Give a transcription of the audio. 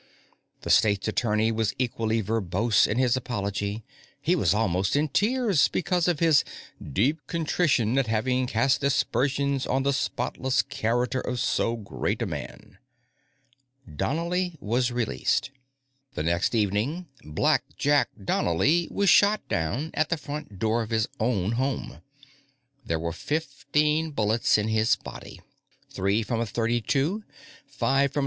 The State's Attorney was equally verbose in his apology; he was almost in tears because of his "deep contrition at having cast aspersions on the spotless character of so great a man." Donnely was released. The next evening, "Blackjack" Donnely was shot down at the front door of his own home. There were fifteen bullets in his body; three from a .32, five from a